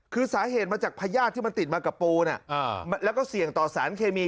คือสาเหตุมาจากพญาติที่มันติดมากับปูน่ะแล้วก็เสี่ยงต่อสารเคมี